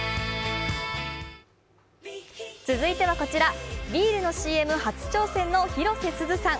続いてはこちら、ビールのＣＭ初挑戦の広瀬すずさん。